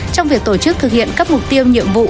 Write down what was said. trong việc tổ chức thực hiện các mục tiêu nhiệm vụ